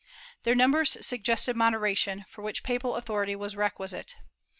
Their numbers suggested moderation, for which papal authority was requisite.